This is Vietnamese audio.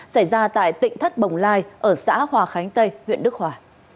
xảy ra tại tỉnh thất bồng lai ở xã hòa khánh tây huyện đức hòa